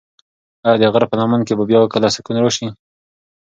ایا د غره په لمن کې به بیا کله سکون راشي؟